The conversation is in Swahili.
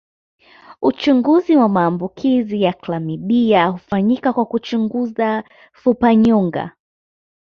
Uchunguzi wa maambukizi ya klamidia hufanyika kwa kuchunguza fupanyonga